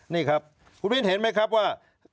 นี่ครับคุณวินเห็นไหมครับว่า